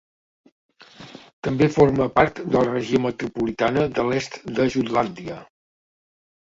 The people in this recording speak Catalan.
També forma part de la Regió metropolitana de l'est de Jutlàndia.